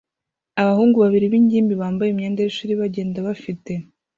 abahungu babiri b'ingimbi bambaye imyenda y'ishuri bagenda bafite